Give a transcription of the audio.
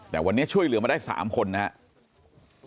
แต่วันนี้ช่วยเหลือมาได้๓คนนะครับ